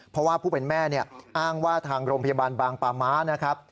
เพราะว่าผู้เป็นแม่อ้างว่าทางโรงพยาบาลบางปาม้านะครับ